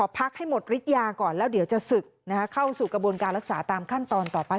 พักให้หมดฤทยาก่อนแล้วเดี๋ยวจะศึกเข้าสู่กระบวนการรักษาตามขั้นตอนต่อไป